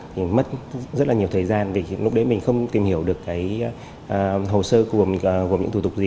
mình mất rất là nhiều thời gian vì lúc đấy mình không tìm hiểu được cái hồ sơ gồm những thủ tục gì